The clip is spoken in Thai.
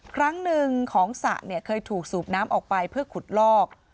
ครั้งนึงของศะเคยถูกสูบน้ำออกไปเพื่อขุดลอก